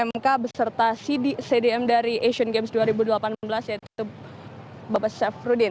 m k beserta cdm dari asian games dua ribu delapan belas yaitu bapak chef rudin